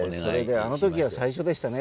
あの時が最初でしたね。